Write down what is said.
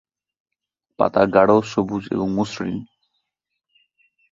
পাতা গাঢ়-সবুজ এবং মসৃণ।